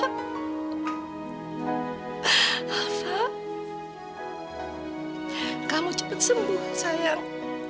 alva kamu cepat sembuh sayang